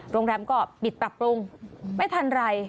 โรงแรมก็ปิดปรับปรุงไม่ทันไร